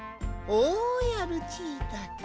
おやルチータくん